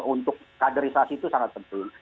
untuk kaderisasi itu sangat penting